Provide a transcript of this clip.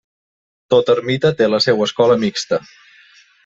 Tota ermita té la seua escola mixta.